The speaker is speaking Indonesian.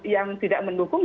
yang tidak mendukung